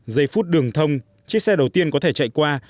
giây phút đường thông chiếc xe đầu tiên có thể chạy qua